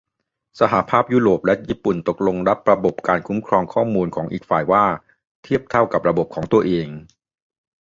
สหภาพยุโรปและญี่ปุ่นตกลงยอมรับระบบการคุ้มครองข้อมูลของอีกฝ่ายว่า 'เทียบเท่า' กับระบบของตัวเอง